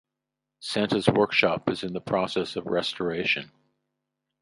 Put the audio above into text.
Santa's Workshop is in the process of restoration.